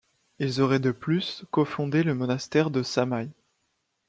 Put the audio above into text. Ils auraient de plus cofondé le monastère de Samye.